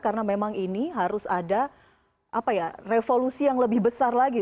karena memang ini harus ada revolusi yang lebih besar lagi